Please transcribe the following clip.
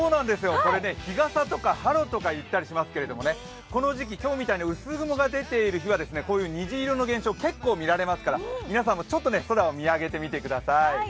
これね日暈と言ったりしますけどね、この時期、今日みたいに薄雲が出ている日は虹色の現象を結構見られますから皆さんも空を見上げてください。